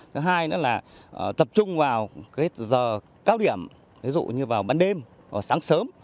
thứ hai là tập trung vào giờ cao điểm ví dụ như vào ban đêm sáng sớm